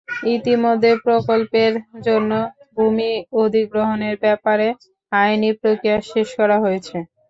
ইতিমধ্যে প্রকল্পের জন্য ভূমি অধিগ্রহণের ব্যাপারে আইনি প্রক্রিয়া শেষ করা হয়েছে।